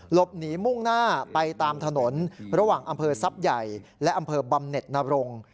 หลบหนีมุ่งหน้าไปตามถนนระหว่างอำเภอทรัพย์ใหญ่และอำเภอบำเน็ตนรง